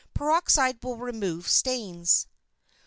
Peroxide will remove stains.